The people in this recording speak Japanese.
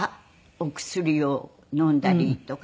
お薬を飲んだりとかね。